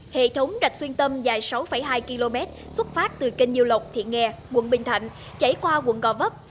hệ thống rạch xuyên tâm dài sáu hai km xuất phát từ kênh nhiêu lộc thiện nghe quận bình thạnh chảy qua quận gò vấp